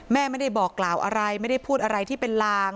แม่ไม่ได้บอกกล่าวอะไรไม่ได้พูดอะไรที่เป็นลาง